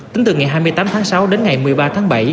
tính từ ngày hai mươi tám tháng sáu đến ngày một mươi ba tháng bảy